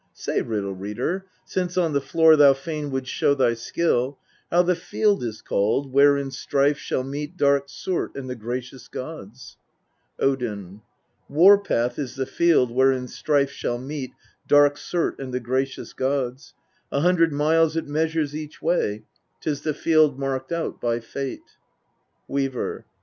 17. Say, Riddle reader ! since on the floor thou fain wouldst show thy skill, how the Field is called where in strife shall meet dark Surt and the gracious gods. Odin. f8. War path is the Field where in strife shall meet dark Surt and the gracious gods : a hundred miles it measures each way ; 'tis the Field marked out by Fate. Weaver.